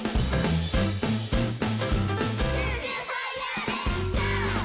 「ジュージューファイヤーレッツシャオ」